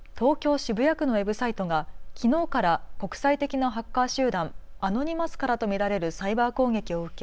渋谷区のウェブサイトがきのうから国際的なハッカー集団、アノニマスからと見られるサイバー攻撃を受け